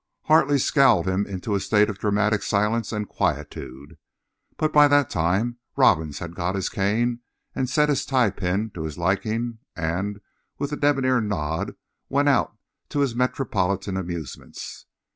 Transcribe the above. Hartley scowled him into a state of dramatic silence and quietude. But by that time Robbins had got his cane and set his tie pin to his liking, and with a debonair nod went out to his metropolitan amusements.